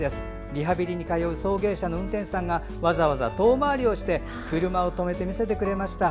リハビリに通う送迎車の運転手さんがわざわざ遠回りして車を止めて見せてくれました。